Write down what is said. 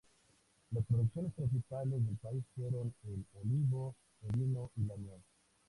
Las producciones principales del país fueron el olivo, el vino y la miel.